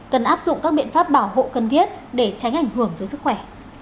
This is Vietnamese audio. cần áp dụng các biện pháp bảo hộ cần thiết để tránh ảnh hưởng tới sức khỏe